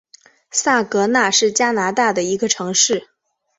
萨格奈是加拿大的一个城市。